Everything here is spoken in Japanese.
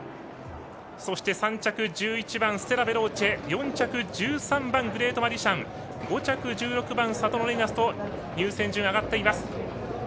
そして３着１１番ステラヴェローチェ４着、１３番グレートマジシャン５着１６番サトノレイナスと入線順が上がっています。